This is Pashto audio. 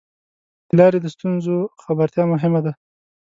د لارې د ستونزو خبرتیا مهمه ده.